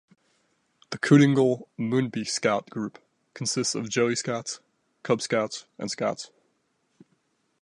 The Kootingal-Moonbi Scout group consists of Joey Scouts, Cub Scouts and Scouts.